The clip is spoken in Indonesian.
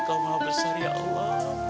kau maha besar ya allah